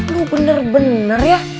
lo bener bener ya